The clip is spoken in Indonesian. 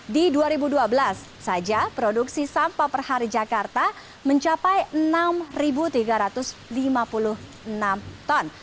di dua ribu dua belas saja produksi sampah per hari jakarta mencapai enam tiga ratus lima puluh enam ton